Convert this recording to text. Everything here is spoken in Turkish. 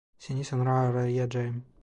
Seni sonra arayacağım.